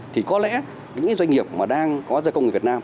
thì có lẽ những doanh nghiệp mà đang có gia công người việt nam